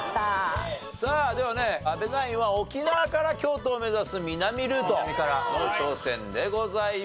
さあではね阿部ナインは沖縄から京都を目指す南ルートの挑戦でございます。